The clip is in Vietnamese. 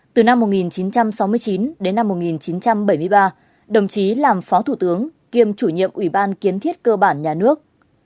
từ năm một nghìn chín trăm sáu mươi chín đến năm một nghìn chín trăm bảy mươi ba đồng chí làm phó thủ tướng kiêm chủ nhiệm ủy ban kiến thiết cơ bản nhà nước